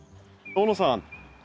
小野さん